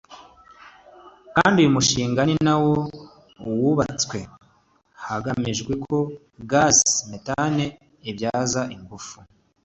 kandi uyu mushinga ni nawo wubatswe hagamijwe ko gaz methane ibyaza ingufu z’amashanyarazi